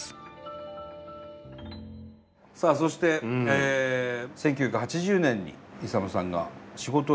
さあそして１９８０年に勇さんが仕事を辞め旅館に入る。